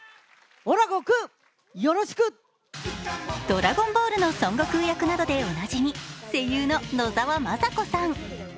「ドラゴンボール」の孫悟空役などでおなじみ、声優の野沢雅子さん。